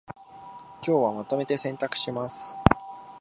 今日はまとめて洗濯します